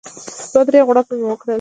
دوه درې غوړپه مې وکړل.